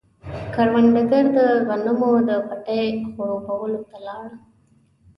کروندګر د غنمو د پټي خړوبولو ته لاړ.